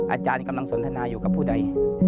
อาจารย์กำลังสนทนาอยู่กับผู้ใด